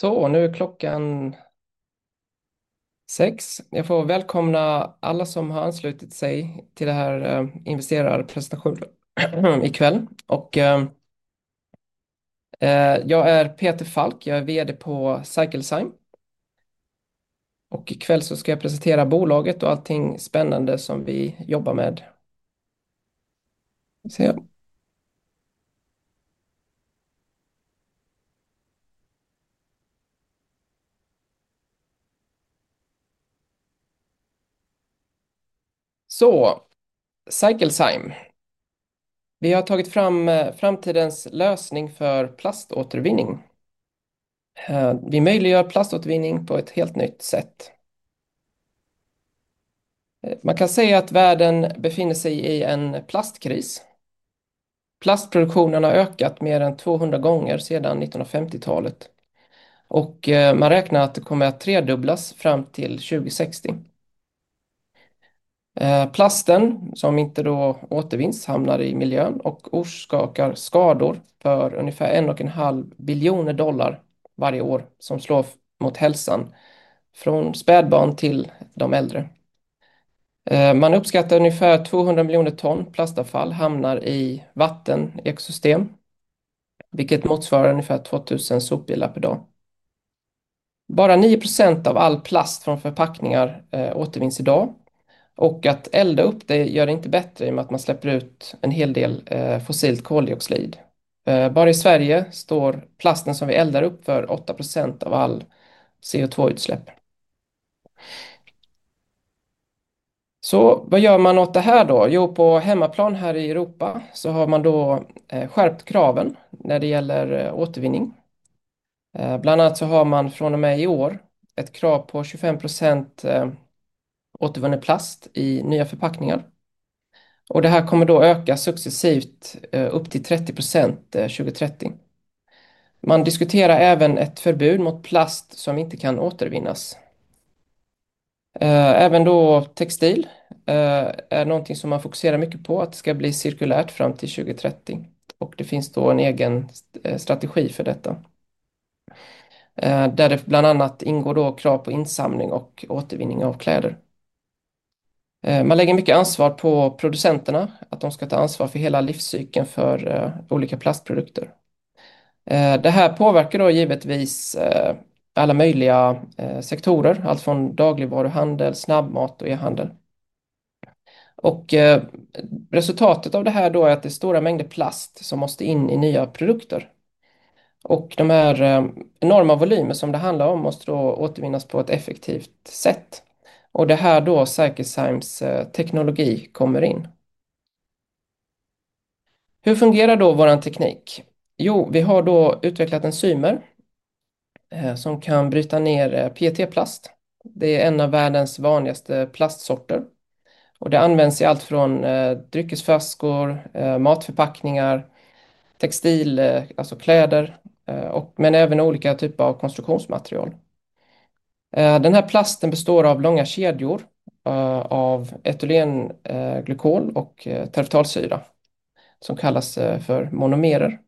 Så, nu är klockan sex. Jag får välkomna alla som har anslutit sig till den här investerarpresentationen ikväll. Jag är Peter Falk, jag är VD på Cyclezyme och ikväll ska jag presentera bolaget och allting spännande som vi jobbar med. Cyclezyme. Vi har tagit fram framtidens lösning för plaståtervinning. Vi möjliggör plaståtervinning på ett helt nytt sätt. Man kan säga att världen befinner sig i en plastkris. Plastproduktionen har ökat mer än 200 gånger sedan 1950-talet och man räknar att det kommer att tredubblas fram till 2060. Plasten som inte återvinns hamnar i miljön och orsakar skador för ungefär 1,5 biljoner dollar varje år som slår mot hälsan, från spädbarn till de äldre. Man uppskattar ungefär 200 miljoner ton plastavfall hamnar i vattenekosystem, vilket motsvarar ungefär 2 000 sopbilar per dag. Bara 9% av all plast från förpackningar återvinns idag och att elda upp det gör det inte bättre i och med att man släpper ut en hel del fossilt koldioxid. Bara i Sverige står plasten som vi eldar upp för 8% av all CO2-utsläpp. Vad gör man åt det här då? På hemmaplan här i Europa har man skärpt kraven när det gäller återvinning. Bland annat har man från och med i år ett krav på 25% återvunnen plast i nya förpackningar. Det här kommer att öka successivt upp till 30% 2030. Man diskuterar även ett förbud mot plast som inte kan återvinnas. Även textil är någonting som man fokuserar mycket på, att det ska bli cirkulärt fram till 2030. Det finns en egen strategi för detta, där det bland annat ingår krav på insamling och återvinning av kläder. Man lägger mycket ansvar på producenterna att de ska ta ansvar för hela livscykeln för olika plastprodukter. Det här påverkar givetvis alla möjliga sektorer, allt från dagligvaruhandel, snabbmat och e-handel. Resultatet av det här är att det är stora mängder plast som måste in i nya produkter. De här enorma volymerna som det handlar om måste återvinnas på ett effektivt sätt. Det är här Cyclezymes teknologi kommer in. Hur fungerar vår teknik? Vi har utvecklat enzymer som kan bryta ner PET-plast. Det är en av världens vanligaste plastsorter. Det används i allt från dryckesflaskor, matförpackningar, textil, alltså kläder, och även olika typer av konstruktionsmaterial. Den här plasten består av långa kedjor av etylenglykol och terptalsyra som kallas för monomerer.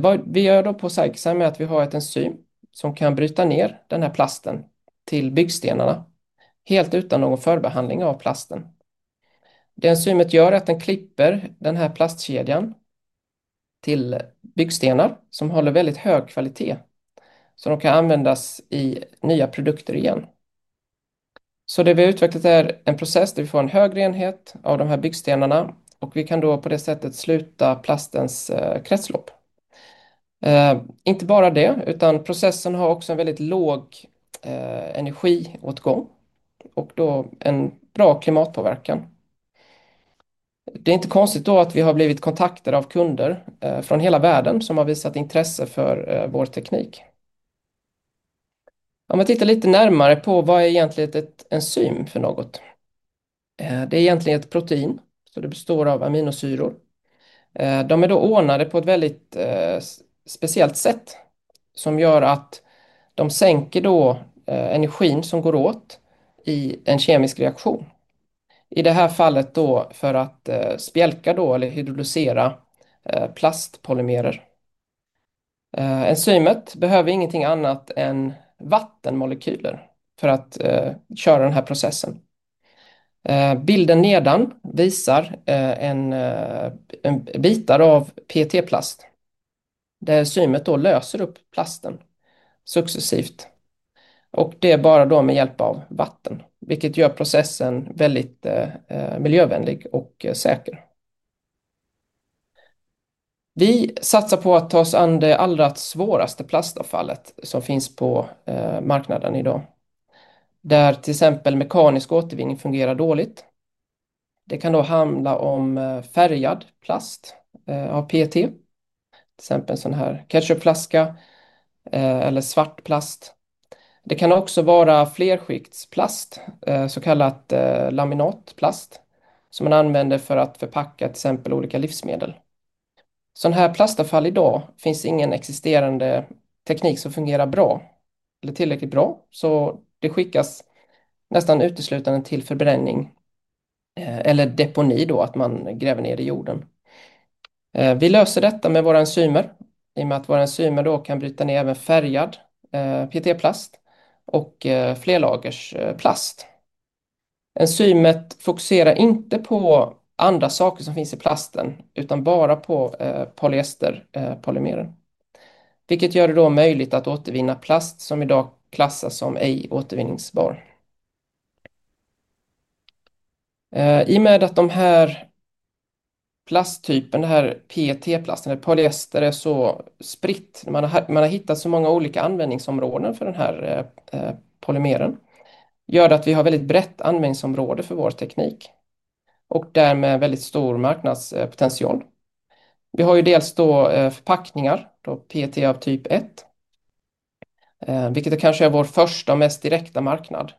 Vad vi gör på Cyclezyme är att vi har ett enzym som kan bryta ner den här plasten till byggstenarna, helt utan någon förbehandling av plasten. Det enzymet gör är att den klipper den här plastkedjan till byggstenar som håller väldigt hög kvalitet, så de kan användas i nya produkter igen. Det vi har utvecklat är en process där vi får en hög renhet av de här byggstenarna och vi kan på det sättet sluta plastens kretslopp. Inte bara det, utan processen har också en väldigt låg energiåtgång och en bra klimatpåverkan. Det är inte konstigt att vi har blivit kontaktade av kunder från hela världen som har visat intresse för vår teknik. Om vi tittar lite närmare på vad är egentligen ett enzym för något? Det är egentligen ett protein, så det består av aminosyror. De är ordnade på ett väldigt speciellt sätt som gör att de sänker energin som går åt i en kemisk reaktion. I det här fallet för att spjälka eller hydrolysera plastpolymerer. Enzymet behöver ingenting annat än vattenmolekyler för att köra den här processen. Bilden nedan visar en bit av PET-plast där enzymet löser upp plasten successivt. Det är bara med hjälp av vatten, vilket gör processen väldigt miljövänlig och säker. Vi satsar på att ta oss an det allra svåraste plastavfallet som finns på marknaden idag. Där till exempel mekanisk återvinning fungerar dåligt. Det kan handla om färgad plast av PET, till exempel en sådan här ketchupflaska eller svart plast. Det kan också vara flerskiktsplast, så kallat laminatplast, som man använder för att förpacka till exempel olika livsmedel. Sådana här plastavfall idag finns det ingen existerande teknik som fungerar bra, eller tillräckligt bra, så det skickas nästan uteslutande till förbränning eller deponi, att man gräver ner i jorden. Vi löser detta med våra enzymer, i och med att våra enzymer kan bryta ner även färgad PET-plast och flerlagers plast. Enzymet fokuserar inte på andra saker som finns i plasten, utan bara på polyesterpolymeren, vilket gör det möjligt att återvinna plast som idag klassas som ej återvinningsbar. I och med att de här plasttyperna, den här PET-plasten eller polyester, är så spritt, man har hittat så många olika användningsområden för den här polymeren, gör det att vi har väldigt brett användningsområde för vår teknik och därmed väldigt stor marknadspotential. Vi har dels förpackningar, PET av typ 1, vilket kanske är vår första och mest direkta marknad.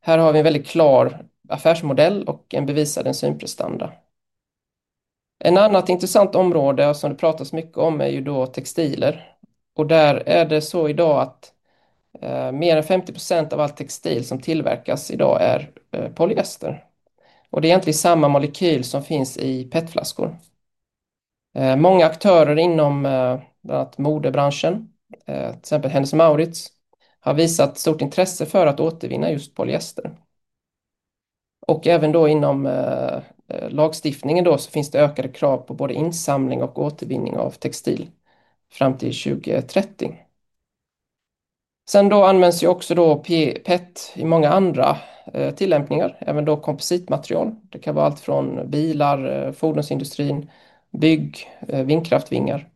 Här har vi en väldigt klar affärsmodell och en bevisad enzymprestanda. Ett annat intressant område som det pratas mycket om är textiler, och där är det så idag att mer än 50% av all textil som tillverkas idag är polyester. Det är egentligen samma molekyl som finns i PET-flaskor. Många aktörer inom modebranschen, till exempel Hennes & Mauritz, har visat stort intresse för att återvinna just polyester. Även inom lagstiftningen finns det ökade krav på både insamling och återvinning av textil fram till 2030. Sen används också PET i många andra tillämpningar, även kompositmaterial. Det kan vara allt från bilar, fordonsindustrin, bygg, vindkraftvingar.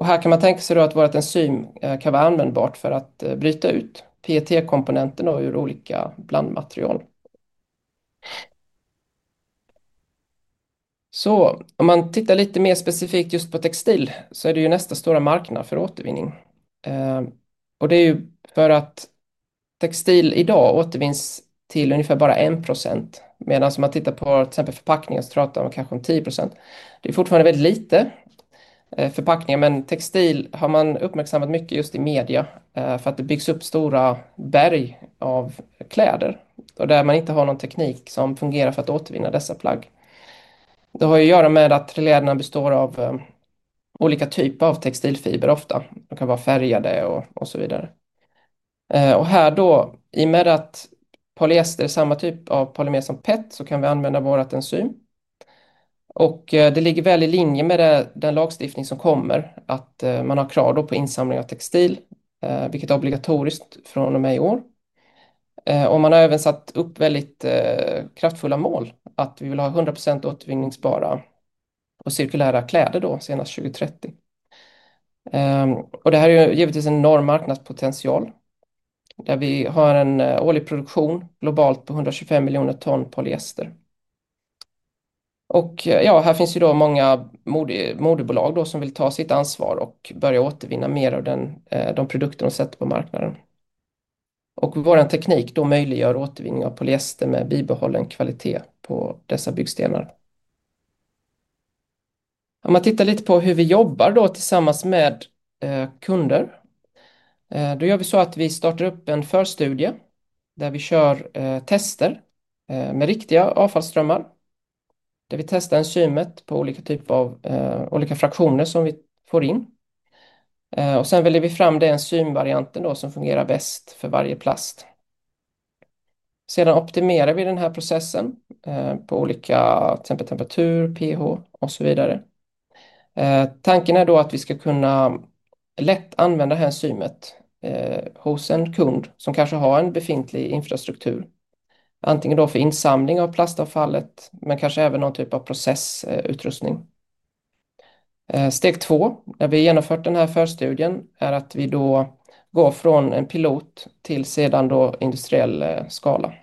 Här kan man tänka sig att vårt enzym kan vara användbart för att bryta ut PET-komponenterna ur olika blandmaterial. Om man tittar lite mer specifikt just på textil så är det nästa stora marknad för återvinning. Det är för att textil idag återvinns till ungefär bara 1%, medan om man tittar på till exempel förpackningar så pratar man kanske om 10%. Det är fortfarande väldigt lite förpackningar, men textil har man uppmärksammat mycket just i media för att det byggs upp stora berg av kläder och där man inte har någon teknik som fungerar för att återvinna dessa plagg. Det har att göra med att kläderna består av olika typer av textilfiber ofta, de kan vara färgade och så vidare. Här, i och med att polyester är samma typ av polymer som PET så kan vi använda vårt enzym. Det ligger i linje med den lagstiftning som kommer att man har krav på insamling av textil, vilket är obligatoriskt från och med i år. Man har även satt upp väldigt kraftfulla mål att vi vill ha 100% återvinningsbara och cirkulära kläder senast 2030. Det här är givetvis en enorm marknadspotential där vi har en årlig produktion globalt på 125 miljoner ton polyester. Här finns många modebolag som vill ta sitt ansvar och börja återvinna mer av de produkter de sätter på marknaden. Vår teknik möjliggör återvinning av polyester med bibehållen kvalitet på dessa byggstenar. Om man tittar lite på hur vi jobbar tillsammans med kunder, gör vi så att vi startar upp en förstudie där vi kör tester med riktiga avfallsströmmar. Där vi testar enzymet på olika typer av olika fraktioner som vi får in. Sen väljer vi fram den enzymvarianten som fungerar bäst för varje plast. Sedan optimerar vi den här processen på olika temperatur, pH och så vidare. Tanken är att vi ska kunna lätt använda det här enzymet hos en kund som kanske har en befintlig infrastruktur. Antingen för insamling av plastavfallet, men kanske även någon typ av processutrustning. Steg två, när vi har genomfört den här förstudien, är att vi går från en pilot till sedan industriell skala.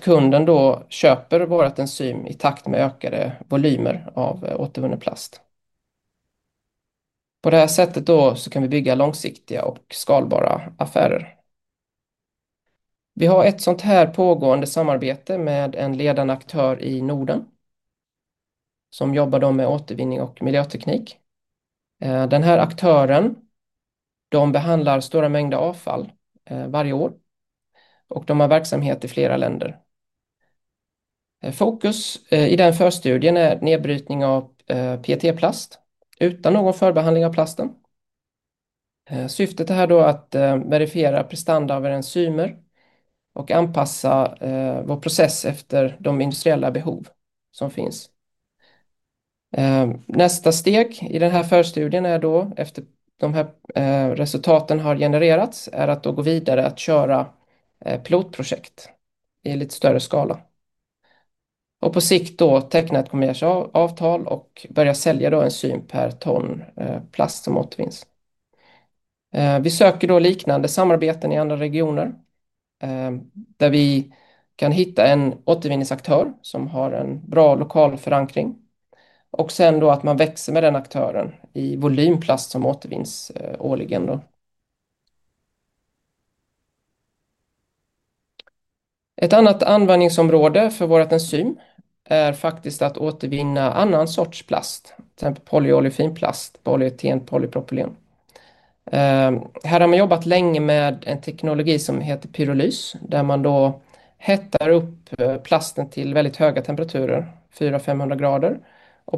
Kunden köper vårt enzym i takt med ökade volymer av återvunnen plast. På det här sättet kan vi bygga långsiktiga och skalbara affärer. Vi har ett sådant här pågående samarbete med en ledande aktör i Norden som jobbar med återvinning och miljöteknik. Den här aktören, de behandlar stora mängder avfall varje år och de har verksamhet i flera länder. Fokus i den förstudien är nedbrytning av PET-plast utan någon förbehandling av plasten. Syftet är här att verifiera prestanda av våra enzymer och anpassa vår process efter de industriella behov som finns. Nästa steg i den här förstudien är, efter de här resultaten har genererats, att gå vidare att köra pilotprojekt i lite större skala. På sikt teckna ett kommersiellt avtal och börja sälja enzym per ton plast som återvinns. Vi söker liknande samarbeten i andra regioner där vi kan hitta en återvinningsaktör som har en bra lokal förankring. Sen att man växer med den aktören i volymplast som återvinns årligen. Ett annat användningsområde för vårt enzym är faktiskt att återvinna annan sorts plast, till exempel polyolefinplast, polyeten, polypropylen. Här har man jobbat länge med en teknologi som heter pyrolys, där man hettar upp plasten till väldigt höga temperaturer, 400-500 grader.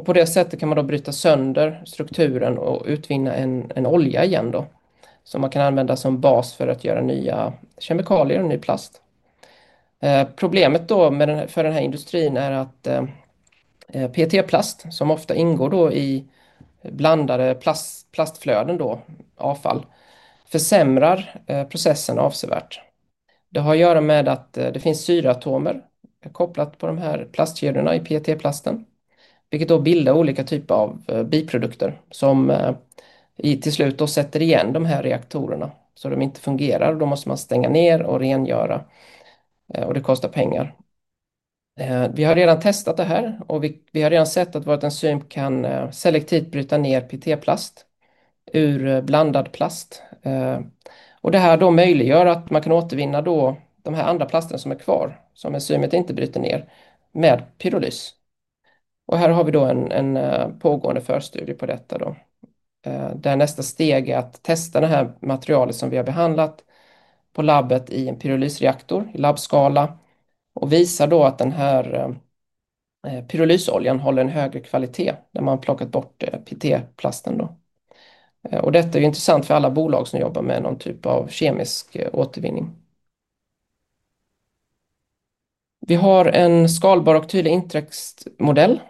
På det sättet kan man bryta sönder strukturen och utvinna en olja igen, som man kan använda som bas för att göra nya kemikalier och ny plast. Problemet för den här industrin är att PET-plast, som ofta ingår i blandade plastflöden, avfall, försämrar processen avsevärt. Det har att göra med att det finns syreatomer kopplat på de här plastkedjorna i PET-plasten, vilket bildar olika typer av biprodukter som till slut sätter igen de här reaktorerna, så de inte fungerar. Då måste man stänga ner och rengöra, och det kostar pengar. Vi har redan testat det här och vi har redan sett att vårt enzym kan selektivt bryta ner PET-plast ur blandad plast. Det här möjliggör att man kan återvinna de här andra plasterna som är kvar, som enzymet inte bryter ner, med pyrolys. Här har vi en pågående förstudie på detta. Nästa steg är att testa det här materialet som vi har behandlat på labbet i en pyrolysreaktor i labbskala och visar att den här pyrolysoljan håller en högre kvalitet när man plockat bort PET-plasten. Detta är intressant för alla bolag som jobbar med någon typ av kemisk återvinning. Vi har en skalbar och tydlig intäktsmodell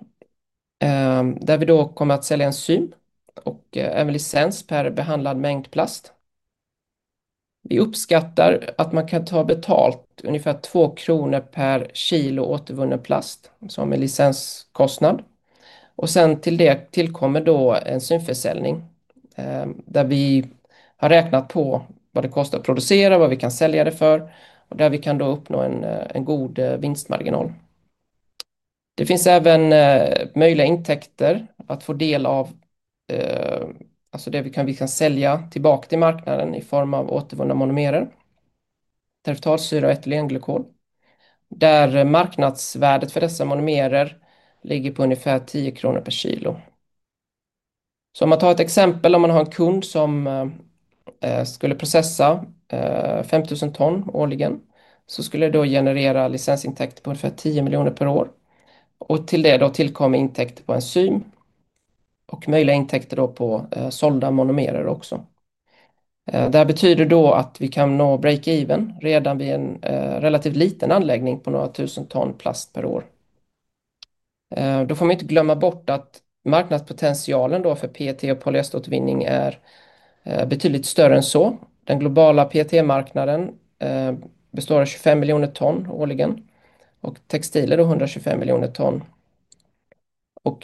där vi kommer att sälja enzym och även licens per behandlad mängd plast. Vi uppskattar att man kan ta betalt ungefär 2 kronor per kilo återvunnen plast som en licenskostnad. Sen till det tillkommer en enzymförsäljning där vi har räknat på vad det kostar att producera, vad vi kan sälja det för och där vi kan uppnå en god vinstmarginal. Det finns även möjliga intäkter att få del av, alltså det vi kan sälja tillbaka till marknaden i form av återvunna monomerer, terptalsyra och etylenglykol, där marknadsvärdet för dessa monomerer ligger på ungefär 10 kronor per kilo. Om man tar ett exempel, om man har en kund som skulle processa 5 000 ton årligen så skulle det generera licensintäkter på ungefär 10 miljoner per år. Till det tillkommer intäkter på enzym och möjliga intäkter på sålda monomerer också. Det här betyder att vi kan nå break-even redan vid en relativt liten anläggning på några tusen ton plast per år. Man får inte glömma bort att marknadspotentialen för PET och polyesteråtervinning är betydligt större än så. Den globala PET-marknaden består av 25 miljoner ton årligen och textiler 125 miljoner ton.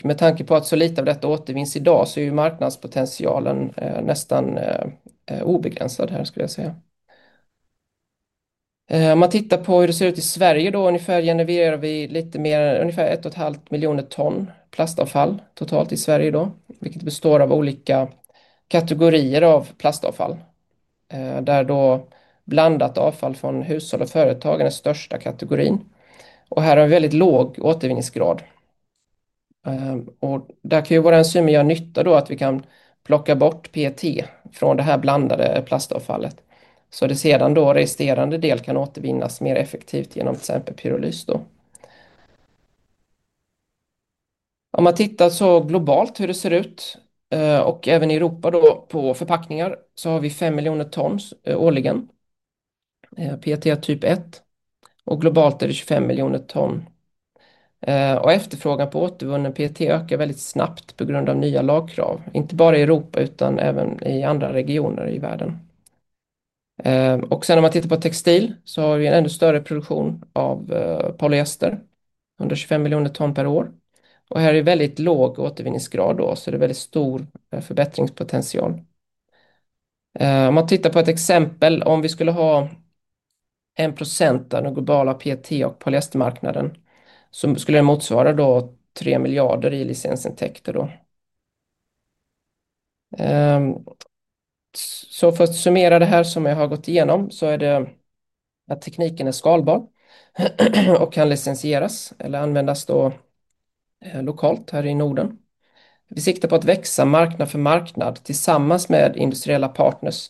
Med tanke på att så lite av detta återvinns idag så är marknadspotentialen nästan obegränsad här skulle jag säga. Om man tittar på hur det ser ut i Sverige, ungefär genererar vi lite mer ungefär 1,5 miljoner ton plastavfall totalt i Sverige, vilket består av olika kategorier av plastavfall. Där blandat avfall från hushåll och företag är den största kategorin. Här har vi väldigt låg återvinningsgrad. Där kan våra enzymer göra nytta att vi kan plocka bort PET från det här blandade plastavfallet. Så det sedan resterande del kan återvinnas mer effektivt genom till exempel pyrolys. Om man tittar så globalt hur det ser ut och även i Europa på förpackningar så har vi 5 miljoner ton årligen. PET är typ 1 och globalt är det 25 miljoner ton. Efterfrågan på återvunnen PET ökar väldigt snabbt på grund av nya lagkrav. Inte bara i Europa utan även i andra regioner i världen. Sen om man tittar på textil så har vi en ännu större produktion av polyester. Under 25 miljoner ton per år. Här är det väldigt låg återvinningsgrad så det är väldigt stor förbättringspotential. Om man tittar på ett exempel, om vi skulle ha 1% av den globala PET- och polyestermarknaden så skulle det motsvara 3 miljarder i licensintäkter. För att summera det här som jag har gått igenom så är det att tekniken är skalbar och kan licensieras eller användas lokalt här i Norden. Vi siktar på att växa marknad för marknad tillsammans med industriella partners.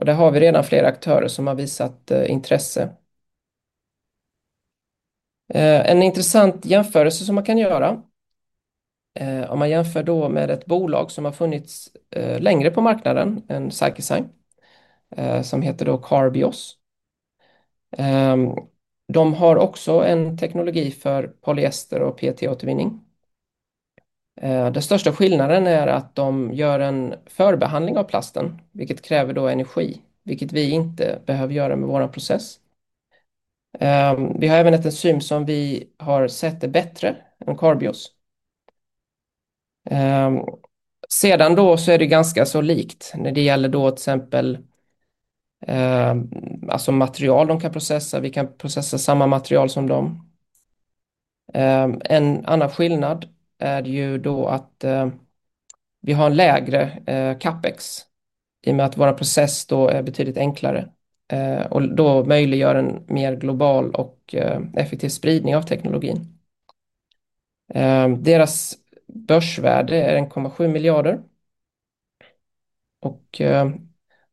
Där har vi redan flera aktörer som har visat intresse. En intressant jämförelse som man kan göra om man jämför med ett bolag som har funnits längre på marknaden, en Cyclezyme som heter Carbios. De har också en teknologi för polyester och PET-återvinning. Den största skillnaden är att de gör en förbehandling av plasten, vilket kräver energi, vilket vi inte behöver göra med vår process. Vi har även ett enzym som vi har sett är bättre än Carbios. Sedan så är det ganska så likt när det gäller till exempel material de kan processa. Vi kan processa samma material som dem. En annan skillnad är att vi har en lägre capex i och med att vår process är betydligt enklare. Det möjliggör en mer global och effektiv spridning av teknologin. Deras börsvärde är 1,7 miljarder.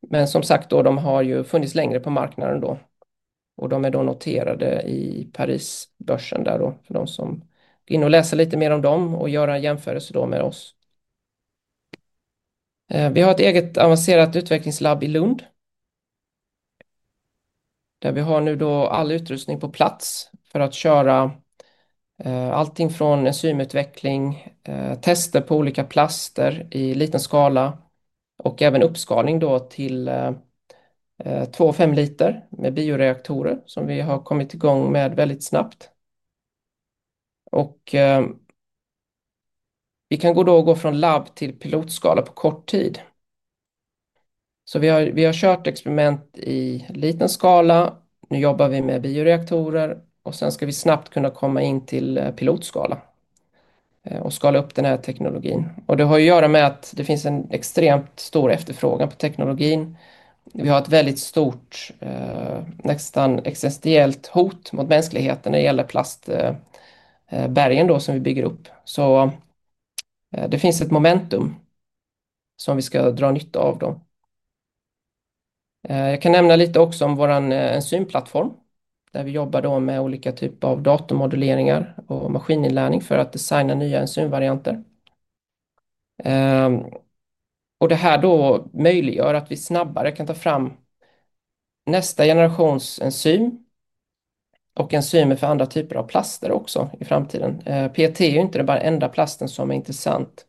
Men som sagt, de har funnits längre på marknaden. De är noterade i Parisbörsen där för de som går in och läser lite mer om dem och gör en jämförelse med oss. Vi har ett eget avancerat utvecklingslabb i Lund där vi har nu all utrustning på plats för att köra allting från enzymutveckling, tester på olika plaster i liten skala och även uppskalning till 2,5 liter med bioreaktorer som vi har kommit igång med väldigt snabbt. Vi kan gå från labb till pilotskala på kort tid. Vi har kört experiment i liten skala, nu jobbar vi med bioreaktorer och sen ska vi snabbt kunna komma in till pilotskala och skala upp den här teknologin. Det har att göra med att det finns en extremt stor efterfrågan på teknologin. Vi har ett väldigt stort, nästan existentiellt hot mot mänskligheten när det gäller plastberg som vi bygger upp. Det finns ett momentum som vi ska dra nytta av. Jag kan nämna lite också om vår enzymplattform där vi jobbar med olika typer av datormoduleringar och maskininlärning för att designa nya enzymvarianter. Det här möjliggör att vi snabbare kan ta fram nästa generations enzym och enzymer för andra typer av plaster också i framtiden. PET är ju inte den bara enda plasten som är intressant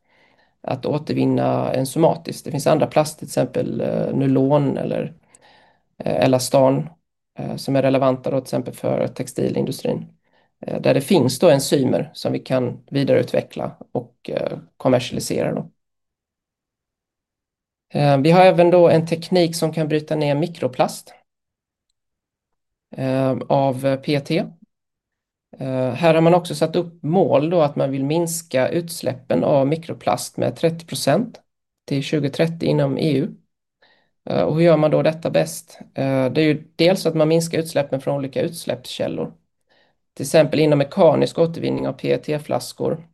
att återvinna enzymatiskt. Det finns andra plaster, till exempel nylon eller elastan, som är relevanta till exempel för textilindustrin där det finns enzymer som vi kan vidareutveckla och kommersialisera. Vi har även en teknik som kan bryta ner mikroplast av PET. Här har man också satt upp mål att man vill minska utsläppen av mikroplast med 30% till 2030 inom EU. Hur gör man detta bäst? Det är dels att man minskar utsläppen från olika utsläppskällor. Till exempel inom mekanisk återvinning av PET-flaskor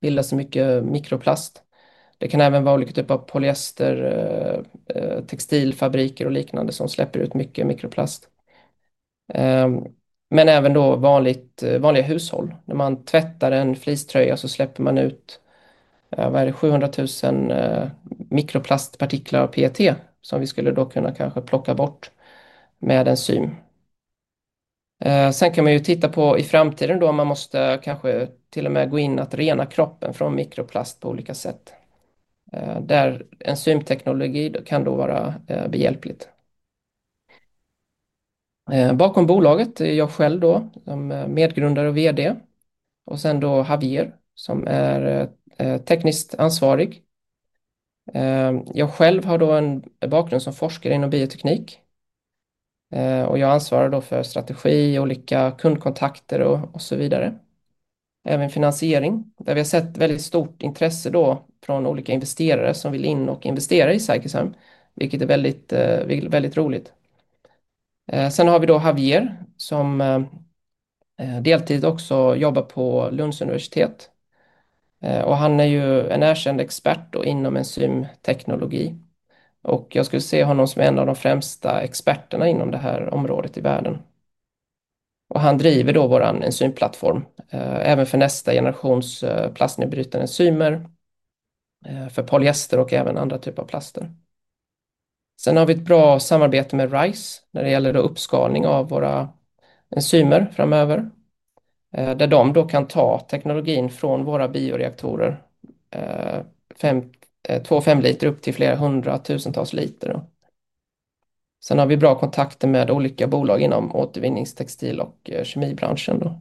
bildas det mycket mikroplast. Det kan även vara olika typer av polyester, textilfabriker och liknande som släpper ut mycket mikroplast. Men även vanliga hushåll, när man tvättar en fleecetröja så släpper man ut, vad är det, 700 000 mikroplastpartiklar av PET som vi skulle kunna kanske plocka bort med enzym. Sen kan man titta på i framtiden om man måste kanske till och med gå in att rena kroppen från mikroplast på olika sätt. Där enzymteknologi kan vara behjälpligt. Bakom bolaget är jag själv, som medgrundare och VD, och sen Javier som är tekniskt ansvarig. Jag själv har en bakgrund som forskare inom bioteknik och jag ansvarar för strategi, olika kundkontakter och så vidare. Även finansiering, där vi har sett väldigt stort intresse från olika investerare som vill in och investera i CycleZyme, vilket är väldigt, väldigt roligt. Sen har vi Javier som deltid också jobbar på Lunds universitet. Han är ju en erkänd expert inom enzymteknologi. Jag skulle se honom som en av de främsta experterna inom det här området i världen. Han driver vår enzymplattform, även för nästa generations plastnedbrytande enzymer, för polyester och även andra typer av plaster. Sen har vi ett bra samarbete med RISE när det gäller uppskalning av våra enzymer framöver, där de kan ta teknologin från våra bioreaktorer, 2,5 liter upp till flera hundratusentals liter. Sen har vi bra kontakter med olika bolag inom återvinningstextil och kemibranschen.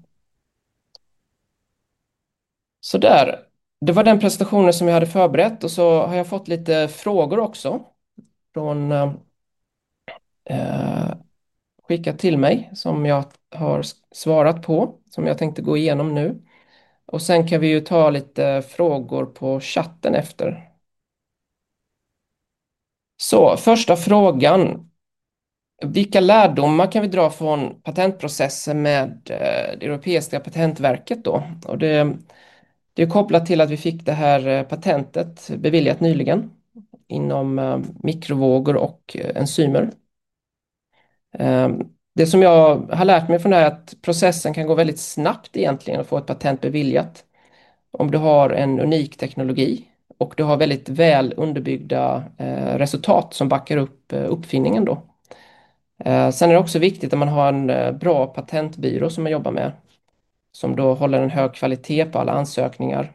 Det var den presentationen som jag hade förberett och så har jag fått lite frågor också från skickat till mig som jag har svarat på, som jag tänkte gå igenom nu. Sen kan vi ta lite frågor på chatten efter. Första frågan: Vilka lärdomar kan vi dra från patentprocessen med det Europeiska patentverket? Det är kopplat till att vi fick det här patentet beviljat nyligen inom mikrovågor och enzymer. Det som jag har lärt mig från det här är att processen kan gå väldigt snabbt egentligen att få ett patent beviljat om du har en unik teknologi och du har väldigt väl underbyggda resultat som backar upp uppfinningen. Sen är det också viktigt att man har en bra patentbyrå som man jobbar med, som håller en hög kvalitet på alla ansökningar.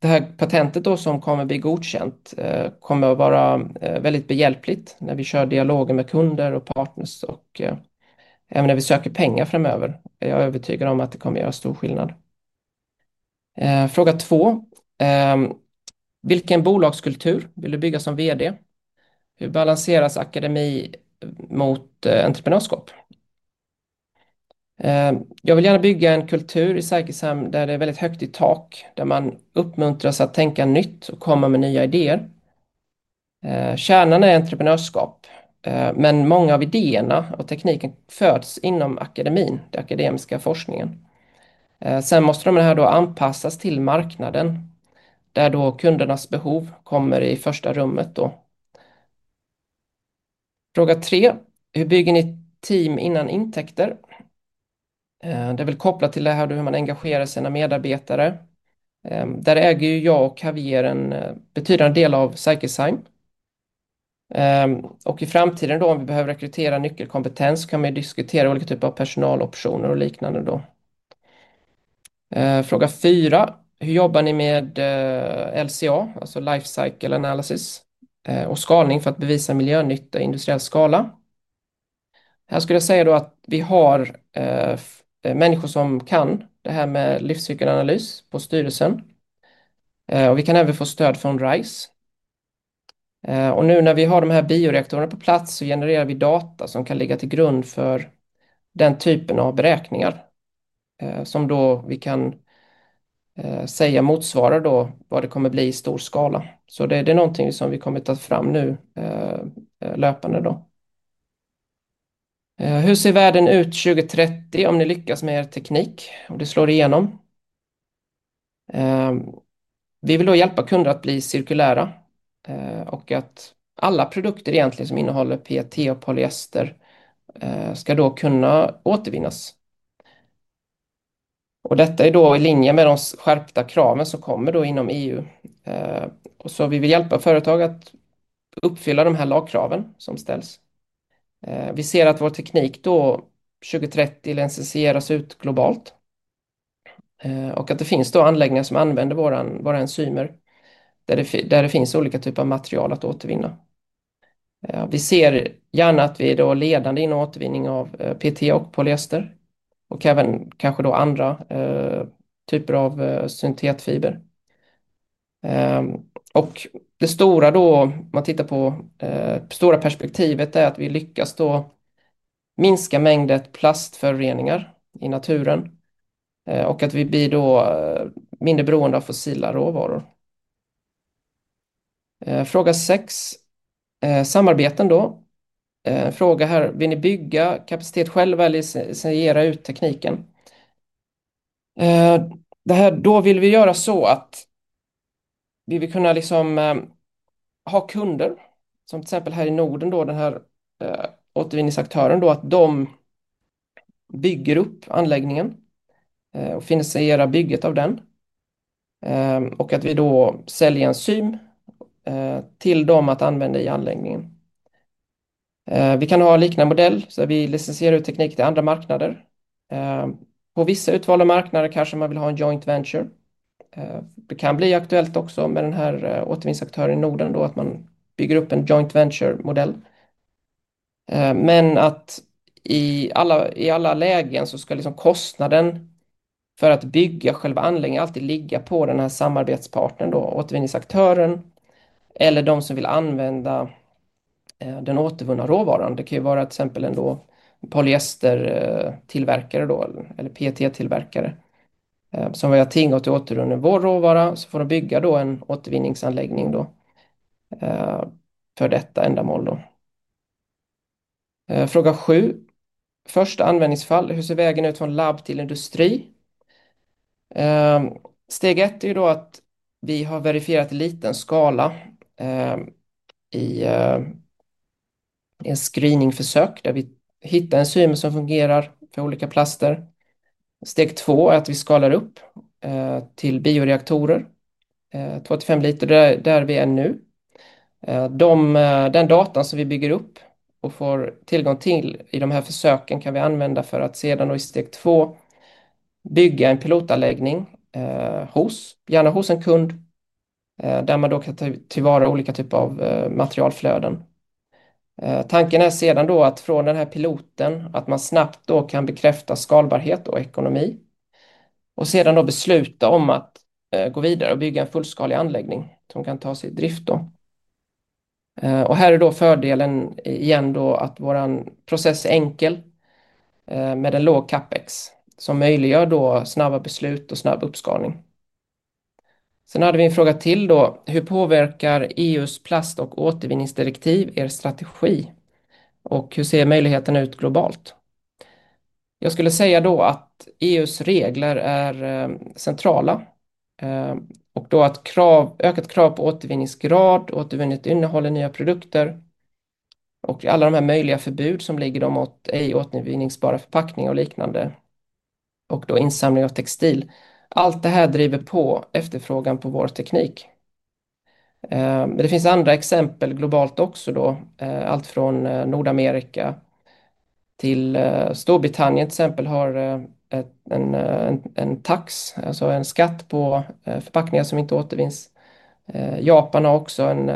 Det här patentet som kommer att bli godkänt kommer att vara väldigt behjälpligt när vi kör dialoger med kunder och partners och även när vi söker pengar framöver. Jag är övertygad om att det kommer att göra stor skillnad. Fråga två: Vilken bolagskultur vill du bygga som VD? Hur balanseras akademi mot entreprenörskap? Jag vill gärna bygga en kultur i CycleZyme, där det är väldigt högt i tak, där man uppmuntras att tänka nytt och komma med nya idéer. Kärnan är entreprenörskap, men många av idéerna och tekniken föds inom akademin, den akademiska forskningen. Sen måste de här anpassas till marknaden, där kundernas behov kommer i första rummet. Fråga tre: Hur bygger ni team innan intäkter? Det är kopplat till det här hur man engagerar sina medarbetare. Där äger ju jag och Javier en betydande del av CycleZyme. I framtiden, om vi behöver rekrytera nyckelkompetens, kan vi diskutera olika typer av personaloptioner och liknande. Fråga fyra: Hur jobbar ni med LCA, alltså Life Cycle Analysis, och skalning för att bevisa miljönytta i industriell skala? Här skulle jag säga att vi har människor som kan det här med livscykelanalys på styrelsen. Vi kan även få stöd från RISE. Nu när vi har de här bioreaktorerna på plats, så genererar vi data som kan ligga till grund för den typen av beräkningar, som vi kan säga motsvarar vad det kommer bli i stor skala. Det är någonting som vi kommer ta fram nu löpande. Hur ser världen ut 2030 om ni lyckas med teknik och det slår igenom? Vi vill hjälpa kunder att bli cirkulära och att alla produkter egentligen som innehåller PET och polyester ska kunna återvinnas. Detta är i linje med de skärpta kraven som kommer inom EU. Vi vill hjälpa företag att uppfylla de här lagkraven som ställs. Vi ser att vår teknik 2030 lanseras ut globalt. Att det finns anläggningar som använder våra enzymer där det finns olika typer av material att återvinna. Vi ser gärna att vi är ledande inom återvinning av PET och polyester och även kanske andra typer av syntetfiber. Det stora om man tittar på stora perspektivet är att vi lyckas minska mängden plastföroreningar i naturen och att vi blir mindre beroende av fossila råvaror. Fråga sex: samarbeten. Fråga här: Vill ni bygga kapacitet själva eller signera ut tekniken? Det här vill vi göra så att vi vill kunna ha kunder som till exempel här i Norden, den här återvinningsaktören, att de bygger upp anläggningen och finansierar bygget av den och att vi säljer enzym till dem att använda i anläggningen. Vi kan ha en liknande modell så att vi licensierar ut teknik till andra marknader. På vissa utvalda marknader kanske man vill ha en joint venture. Det kan bli aktuellt också med den här återvinningsaktören i Norden att man bygger upp en joint venture-modell. Men att i alla lägen så ska kostnaden för att bygga själva anläggningen alltid ligga på den här samarbetspartnern, återvinningsaktören eller de som vill använda den återvunna råvaran. Det kan ju vara till exempel en polyestertillverkare eller PET-tillverkare som vill ha tillgång till återvunnen råvara så får de bygga en återvinningsanläggning för detta ändamål. Fråga sju: Första användningsfall, hur ser vägen ut från labb till industri? Steg ett är att vi har verifierat i liten skala i ett screeningförsök där vi hittar enzymer som fungerar på olika plaster. Steg två är att vi skalar upp till bioreaktorer, 2-5 liter där vi är nu. Den datan som vi bygger upp och får tillgång till i de här försöken kan vi använda för att sedan i steg två bygga en pilotanläggning hos, gärna hos en kund där man kan ta tillvara olika typer av materialflöden. Tanken är sedan att från den här piloten att man snabbt kan bekräfta skalbarhet och ekonomi och sedan besluta om att gå vidare och bygga en fullskalig anläggning som kan tas i drift. Här är fördelen igen att vår process är enkel med en låg capex som möjliggör snabba beslut och snabb uppskalning. Sen hade vi en fråga till: Hur påverkar EUs plast- och återvinningsdirektiv strategi och hur ser möjligheterna ut globalt? Jag skulle säga att EUs regler är centrala och att ökat krav på återvinningsgrad, återvunnet innehåll i nya produkter och alla de här möjliga förbud som ligger mot ej återvinningsbara förpackningar och liknande och insamling av textil. Allt det här driver på efterfrågan på vår teknik. Men det finns andra exempel globalt också, allt från Nordamerika till Storbritannien till exempel har en tax, alltså en skatt på förpackningar som inte återvinns. Japan har också en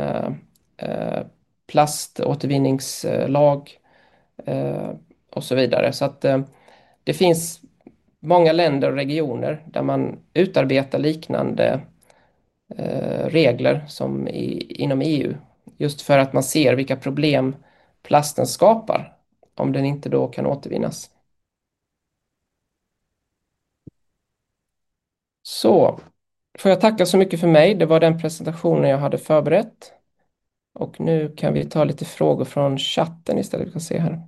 plaståtervinningslag och så vidare. Det finns många länder och regioner där man utarbetar liknande regler som inom EU just för att man ser vilka problem plasten skapar om den inte kan återvinns. Får jag tacka så mycket för mig. Det var den presentationen jag hade förberett. Nu kan vi ta lite frågor från chatten istället. Vi kan se här.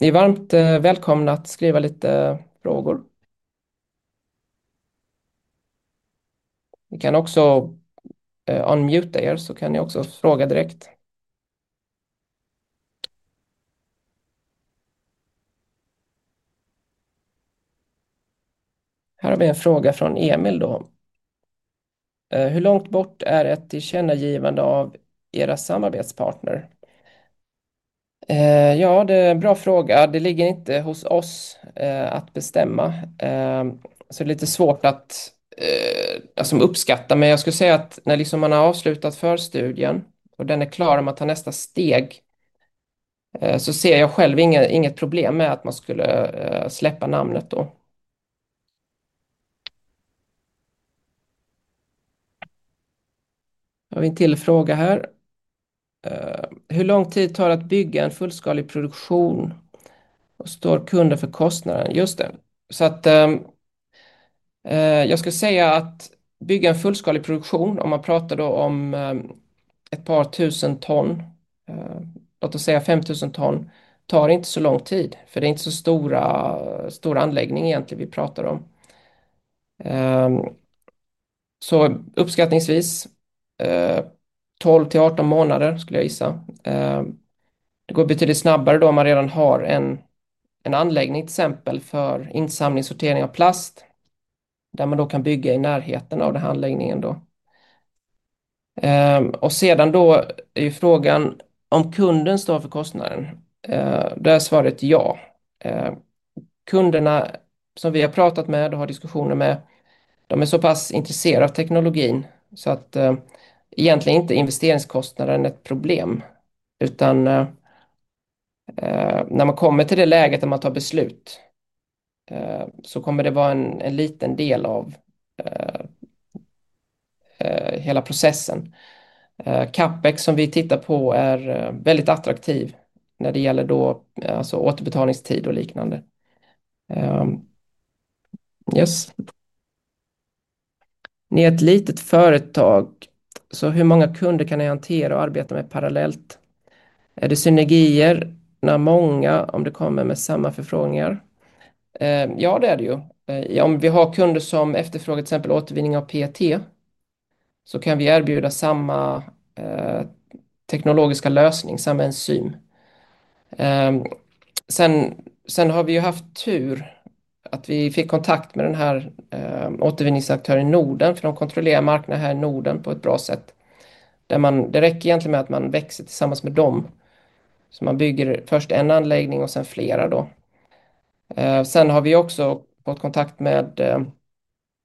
Ni är varmt välkomna att skriva lite frågor. Ni kan också unmuta så kan ni också fråga direkt. Här har vi en fråga från Emil: Hur långt bort är det till kännagivande av era samarbetspartner? Det är en bra fråga. Det ligger inte hos oss att bestämma. Det är lite svårt att uppskatta. Men jag skulle säga att när man har avslutat förstudien och den är klar om man tar nästa steg så ser jag själv inget problem med att man skulle släppa namnet. Har vi en till fråga här? Hur lång tid tar det att bygga en fullskalig produktion? Står kunder för kostnaden? Jag skulle säga att bygga en fullskalig produktion, om man pratar om ett par tusen ton, låt oss säga 5 000 ton, tar inte så lång tid. För det är inte så stora anläggningar egentligen vi pratar om. Uppskattningsvis 12-18 månader skulle jag gissa. Det går betydligt snabbare om man redan har en anläggning till exempel för insamling och sortering av plast, där man kan bygga i närheten av den här anläggningen. Sedan är ju frågan om kunden står för kostnaden. Där är svaret ja. Kunderna som vi har pratat med och har diskussioner med, de är så pass intresserade av teknologin så att egentligen inte investeringskostnaden är ett problem. Utan när man kommer till det läget där man tar beslut så kommer det vara en liten del av hela processen. Capex som vi tittar på är väldigt attraktiv när det gäller återbetalningstid och liknande. Ni är ett litet företag, så hur många kunder kan ni hantera och arbeta med parallellt? Är det synergier när många, om det kommer med samma förfrågningar? Det är det ju. Om vi har kunder som efterfrågar till exempel återvinning av PET, så kan vi erbjuda samma teknologiska lösning, samma enzym. Sen har vi haft tur att vi fick kontakt med den här återvinningsaktören i Norden, för de kontrollerar marknaden här i Norden på ett bra sätt. Där man, det räcker egentligen med att man växer tillsammans med dem. Man bygger först en anläggning och sen flera. Sen har vi också fått kontakt med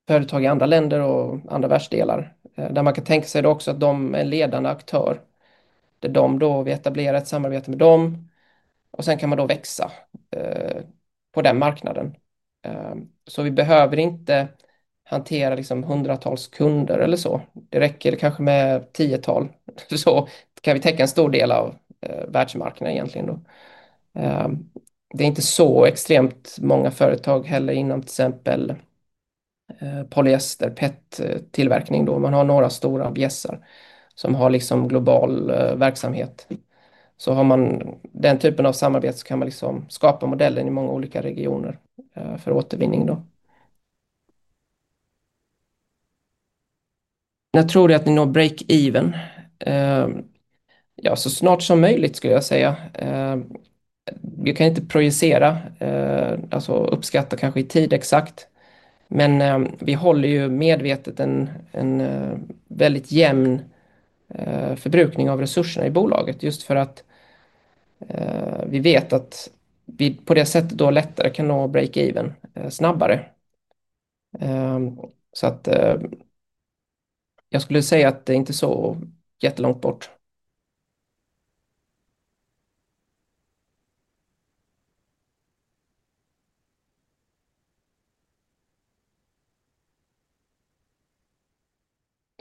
företag i andra länder och andra världsdelar, där man kan tänka sig också att de är en ledande aktör. Där de, vi etablerar ett samarbete med dem, och sen kan man växa på den marknaden. Vi behöver inte hantera hundratals kunder eller så. Det räcker kanske med tiotal. Så kan vi täcka en stor del av världsmarknaden egentligen. Det är inte så extremt många företag heller inom till exempel polyester, PET-tillverkning. Man har några stora aktörer som har global verksamhet. Har man den typen av samarbete så kan man skapa modellen i många olika regioner för återvinning. När tror du att ni når break-even? Så snart som möjligt skulle jag säga. Vi kan inte projicera, alltså uppskatta kanske i tid exakt, men vi håller medvetet en väldigt jämn förbrukning av resurserna i bolaget just för att vi vet att vi på det sättet lättare kan nå break-even snabbare. Jag skulle säga att det är inte så jättelångt bort.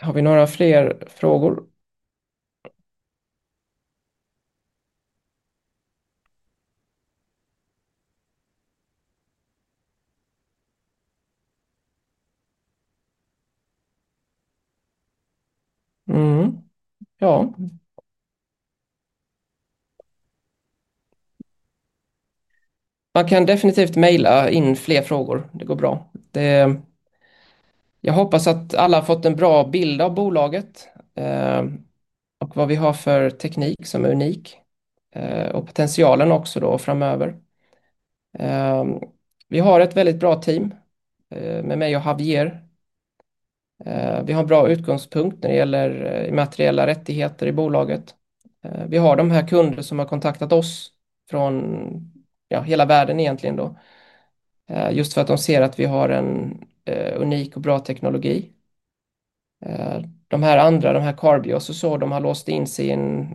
Har vi några fler frågor? Man kan definitivt mejla in fler frågor, det går bra. Det är, jag hoppas att alla har fått en bra bild av bolaget och vad vi har för teknik som är unik och potentialen också framöver. Vi har ett väldigt bra team med mig och Javier. Vi har en bra utgångspunkt när det gäller immateriella rättigheter i bolaget. Vi har de här kunder som har kontaktat oss från hela världen egentligen. Just för att de ser att vi har en unik och bra teknologi. De här andra, de här Carbios och så, de har låst in sig i en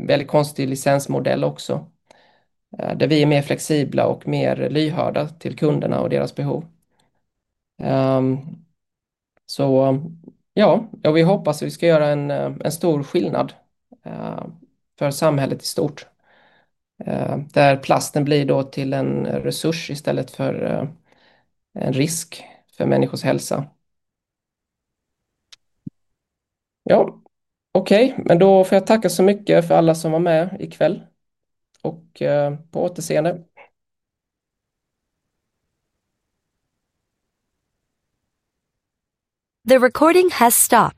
väldigt konstig licensmodell också. Där vi är mer flexibla och mer lyhörda till kunderna och deras behov. Vi hoppas att vi ska göra en stor skillnad för samhället i stort. Där plasten blir till en resurs istället för en risk för människors hälsa. Okej, men då får jag tacka så mycket för alla som var med ikväll och på återseende. The recording has stopped.